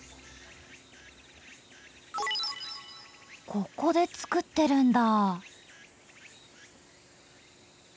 ここで作ってるんだ。